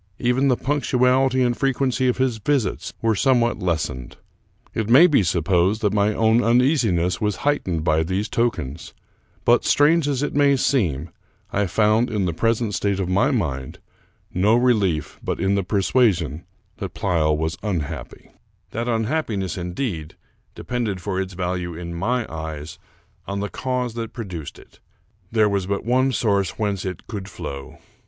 Even the punctuality and frequency of his visits w^ere somewhat less ened. It may be supposed that my own uneasiness was heightened by these tokens ; but, strange as it may seem, I found, in the present state of my mind, no relief but in the persuasion that Pleyel was unhappy. That unhappiness, indeed, depended for its value in my eyes on the cause that produced it. There was but one source whence it could flow.